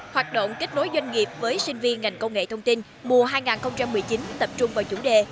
hoạt động kết nối doanh nghiệp với sinh viên ngành công nghệ thông tin mùa hai nghìn một mươi chín tập trung vào chủ đề